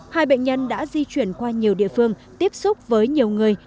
hai bệnh nhân đã di chuyển qua nhiều địa phương tiếp xúc với nhiều người